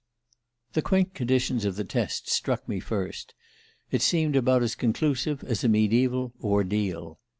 The quaint conditions of the test struck me first: it seemed about as conclusive as a mediaeval 'ordeal.